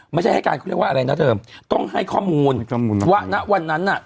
ไม่ใช่ให้การคุณเรียกว่าอะไรนะเติมต้องให้ข้อมูลว่าวันนั้น